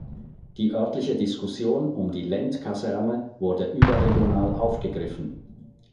Die örtliche Diskussion um die Lent-Kaserne wurde überregional aufgegriffen.